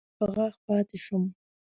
ګوته په غاښ پاتې شوم.